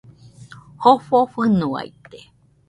Jofo fɨnoaite